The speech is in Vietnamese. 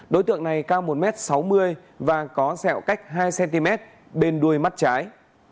đối tượng này cao một m sáu mươi và có sẹo cách hai cm bên đuôi mắt trái